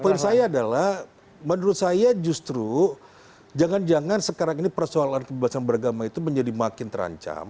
poin saya adalah menurut saya justru jangan jangan sekarang ini persoalan kebebasan beragama itu menjadi makin terancam